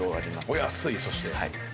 お安いそして。